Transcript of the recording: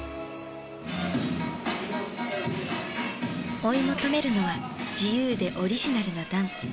追い求めるのは自由でオリジナルなダンス。